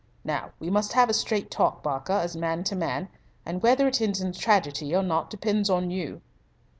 Now we must have a straight talk, Barker, as man to man, and whether it ends in tragedy or not depends on you."